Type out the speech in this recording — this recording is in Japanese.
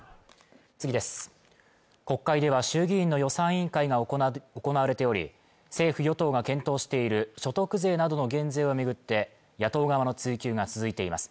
国会では衆議院の予算委員会が行われており政府与党が検討している所得税などの減税を巡って野党側の追及が続いています